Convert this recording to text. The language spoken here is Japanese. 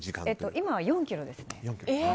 今は４ｋｍですね。